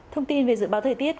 thông tin về dự báo thời tiết